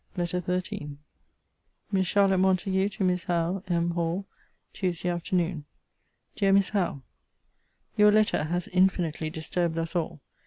LETTER XIII MISS CHARLOTTE MONTAGUE, TO MISS HOWE M. HALL, TUESDAY AFTERNOON. DEAR MISS HOWE, Your letter has infinitely disturbed us all.